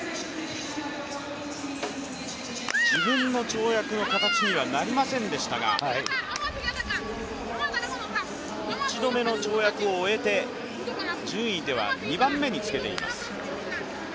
自分の跳躍の形にはなりませんでしたが１度目の跳躍を終えて、順位では２番目につけています。